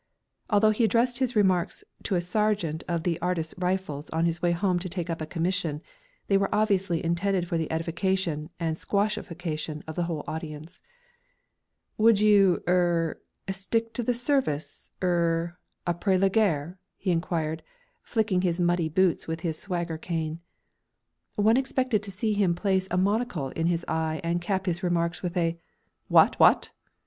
Although he addressed his remarks to a sergeant of the Artists' Rifles on his way home to take up a commission, they were obviously intended for the edification and squashification of the whole audience. "Will you er stick to the Service er après la guerre?" he inquired, flicking his muddy boots with his swagger cane. One expected to see him place a monocle in his eye and cap his remarks with a "What what?"